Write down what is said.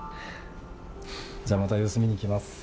じゃあまた様子見に来ます。